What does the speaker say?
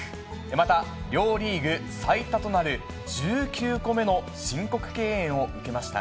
また両リーグ最多となる１９個目の申告敬遠を受けました。